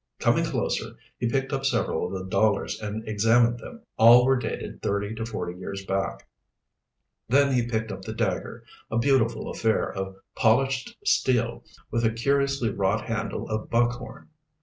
Coming closer, he picked up several of the dollars and examined them. All were dated thirty to forty years back. Then he picked up the dagger, a beautiful affair of polished steel with a curiously wrought handle of buckhorn.